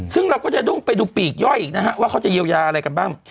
ซึ่งเราก็จะต้องไปดูปีกย่อยอีกนะฮะว่าเขาจะเยียวยาอะไรกันบ้าง